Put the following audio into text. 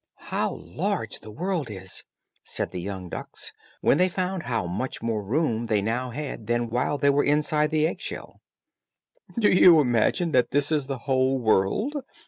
"How large the world is," said the young ducks, when they found how much more room they now had than while they were inside the egg shell. "Do you imagine this is the whole world?"